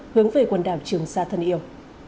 hướng về quần đảo trường sa thân yêu